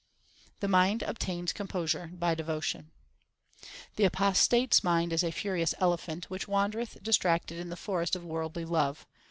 The mind obtains composure by devotion : The apostate s mind is a furious elephant Which wandereth distracted in the forest of worldly love.